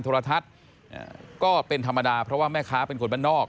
โทรทัศน์ก็เป็นธรรมดาเพราะว่าแม่ค้าเป็นคนบ้านนอก